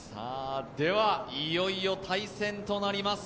では、いよいよ対戦となります。